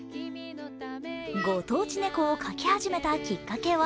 ご当地ネコを描き始めたきっかけは